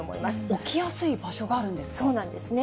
起きやすい場所があるんですそうなんですね。